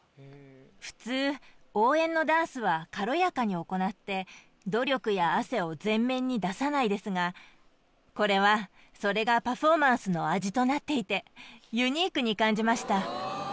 普通応援のダンスは軽やかに行って努力や汗を前面に出さないですがこれはそれがパフォーマンスの味となっていてユニークに感じました。